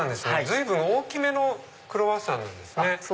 随分大きめのクロワッサンなんですね。